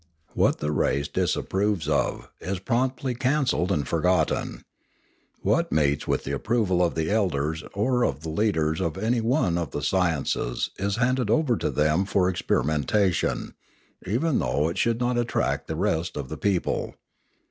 What the race disapproves of is promptly cancelled and forgotten. What meets with the approval of the elders or of the leaders of any one of the sciences is handed over to them for experimenta tion, even though it should not attract the rest of the people.